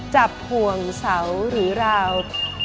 จับห่วงเสาหรือราว